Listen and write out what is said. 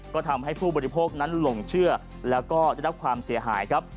ก็ทำให้ผู้บริโภคนั้นหลงเชื่อแล้วก็ได้รับความเสียหายครับ